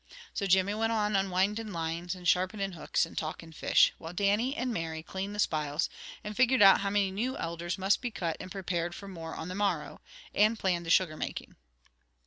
So Jimmy went on unwinding lines, and sharpening hooks, and talking fish; while Dannie and Mary cleaned the spiles, and figured on how many new elders must be cut and prepared for more on the morrow; and planned the sugar making.